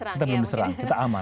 kita belum diserang kita aman